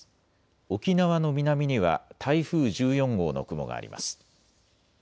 沖縄の南には台風１４号の雲があります。